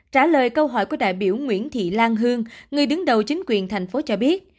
trả lời câu hỏi của đại biểu nguyễn thị lan hương người đứng đầu chính quyền thành phố cho biết